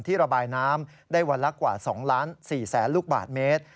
ระบายน้ำได้วันละกว่า๒๔๐๐๐ลูกบาทเมตร